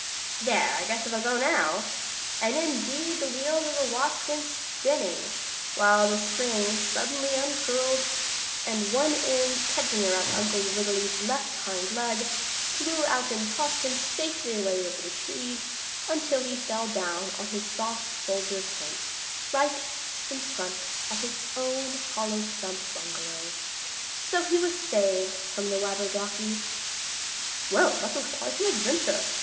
"There, I guess it'll go now!" cried the March Hare, and indeed the wheels of the watch went spinning while the spring suddenly uncurled, and one end, catching around Uncle Wiggily's left hind leg, flew out and tossed him safely away over the trees, until he fell down on his soft soldier tent, right in front of his own hollow stump bungalow. So he was saved from the Wabberjocky. "Well! That was an adventure!"